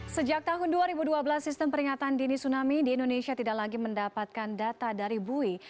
sejak tahun dua ribu dua belas sistem peringatan dini tsunami di indonesia tidak lagi mendapatkan data dari bui